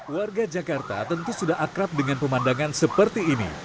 warga jakarta tentu sudah akrab dengan pemandangan seperti ini